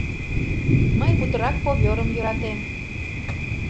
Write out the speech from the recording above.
— Мый путырак ковёрым йӧратем.